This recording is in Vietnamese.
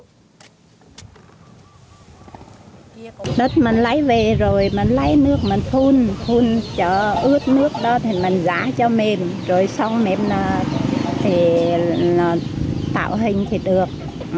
đất mình lấy về rồi mình lấy nước mình phun phun cho ướt nước đó thì mình giá cho mềm rồi xong mềm là tạo hình thì được